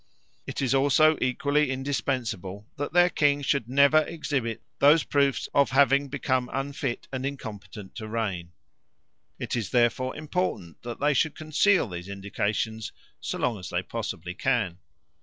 It is also equally indispensable that their king should never exhibit those proofs of having become unfit and incompetent to reign; it is therefore important that they should conceal these indications so long as they possibly can.